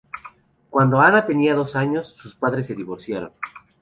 Cuando Anna tenía dos años, sus padres se divorciaron.